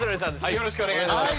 よろしくお願いします。